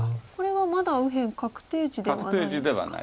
これはまだ右辺確定地では。